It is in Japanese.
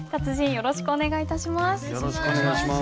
よろしくお願いします。